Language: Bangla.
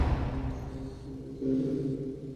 সাইমন নামের এই ছেলেটার প্রেমে পড়ে গেছি আমি!